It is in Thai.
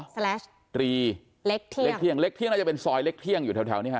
แลชตรีเล็กเที่ยงเล็กเที่ยงเล็กเที่ยงน่าจะเป็นซอยเล็กเที่ยงอยู่แถวนี้ฮ